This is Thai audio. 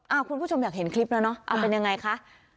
คุณผู้ชมอยากเห็นคลิปแล้วเนอะเอาเป็นยังไงคะ